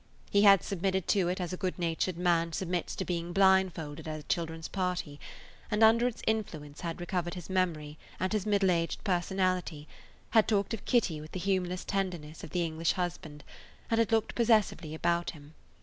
He had submitted to it as a good natured man submits to being blindfolded at a children's party, and under its influence had recovered his memory and his middle aged personality, had talked of Kitty with the humorous tenderness of the English husband, and had looked possessively about him.